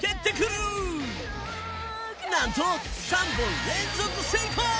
なんと、３本連続成功。